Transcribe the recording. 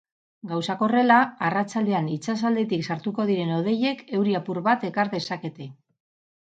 Gauzak horrela, arratsaldean itsasaldetik sartuko diren hodeiek euri apur bat ekar dezakete.